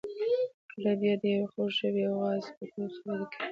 کله بیا د یوې خوږ ژبې واعظ په توګه خبرې کوي.